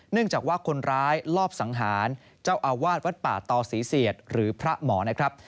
จากว่าคนร้ายลอบสังหารเจ้าอาวาสวัดป่าตอศรีเสียดหรือพระหมอนะครับ